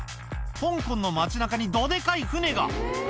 香港の街なかに、どでかい船が。